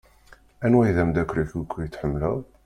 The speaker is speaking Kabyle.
Anwa i d-amdakel-ik akk i tḥemmleḍ?